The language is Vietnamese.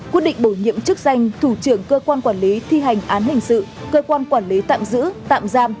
quyết định bổ nhiệm chức danh thủ trưởng cơ quan quản lý thi hành án hình sự cơ quan quản lý tạm giữ tạm giam